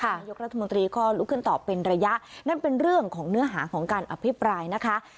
นายกรัฐมนตรีก็ลุกขึ้นตอบเป็นระยะนั่นเป็นเรื่องของเนื้อหาของการอภิปรายนะคะ